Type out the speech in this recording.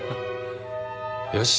よし！